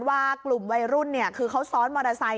ว่ากลุ่มวัยรุ่นคือเขาซ้อนมอเตอร์ไซค